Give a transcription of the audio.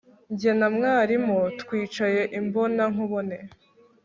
Jye na mwarimu twicaye imbonankubone